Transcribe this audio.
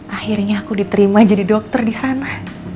akhirnya aku diterima jadi dokter di sana